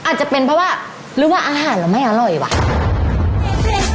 อาจจะเป็นเพราะว่าหรือว่าอาหารเราไม่อร่อยว่ะ